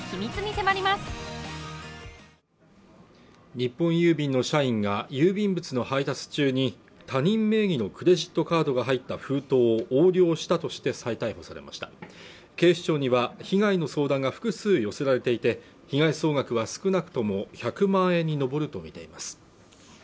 日本郵便の社員が郵便物の配達中に他人名義のクレジットカードが入った封筒を横領したとして再逮捕されました警視庁には被害の相談が複数寄せられていて被害総額は少なくとも１００万円に上るとみています